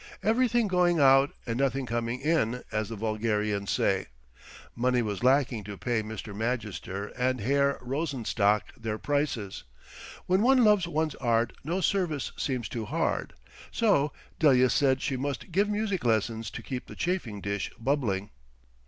Everything going out and nothing coming in, as the vulgarians say. Money was lacking to pay Mr. Magister and Herr Rosenstock their prices. When one loves one's Art no service seems too hard. So, Delia said she must give music lessons to keep the chafing dish bubbling.